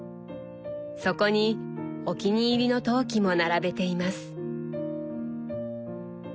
そこにお気に入りの陶器も並べています。